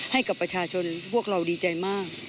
ให้กับประชาชนพวกเราดีใจมาก